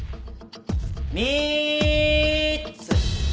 みっつ。